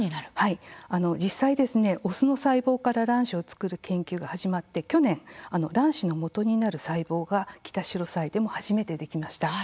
実際オスの細胞から卵子を作る研究が始まって去年、卵子の元になる細胞がキタシロサイでも初めてできました。